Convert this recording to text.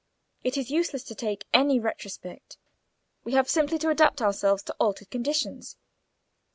It is useless to take any retrospect. We have simply to adapt ourselves to altered conditions."